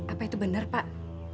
apa itu benar pak